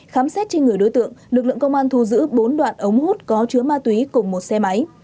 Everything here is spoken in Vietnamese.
khám xét trên người đối tượng lực lượng công an thu giữ bốn đoạn ống hút có chứa ma túy cùng một xe máy